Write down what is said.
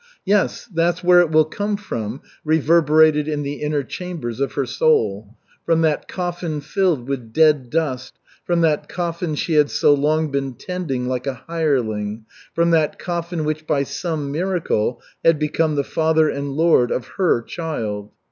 "Yes, that's where it will come from," reverberated in the inner chambers of her soul from that coffin filled with dead dust, from that coffin she had so long been tending like a hireling, from that coffin which by some miracle had become the father and lord of her child!